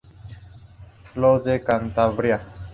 Los de Cantabria.